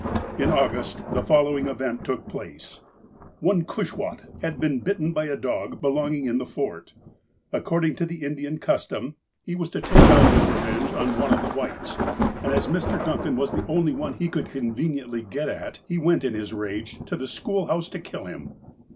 In August, the following event took place : One Cushwaht had been bitten by a dog belonging in the Fort. According to the Indian custom, he was to FIRST FRUITS 139 take out his revenge on one of the Whites, and as Mr. Duncan was the only one he could conveniently get at, he went in his rage to the schoolhouse to kill him.